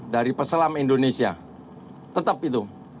dari peselam indonesia tetap itu